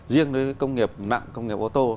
riêng với công nghiệp nặng công nghiệp ô tô